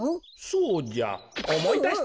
そうじゃおもいだしたぞ！